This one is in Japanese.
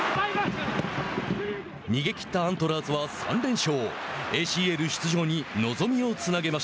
逃げきったアントラーズ３連勝。